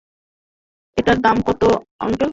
এটার দাম কত আংকেল?